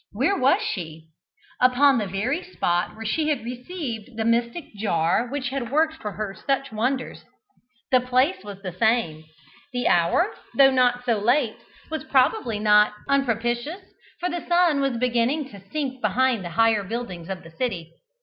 Where was she? Upon the very spot where she had received the mystic jar which had worked for her such wonders. The place was the same the hour, though not so late, was possibly not unpropitious, for the sun was beginning to sink behind the higher buildings of the city.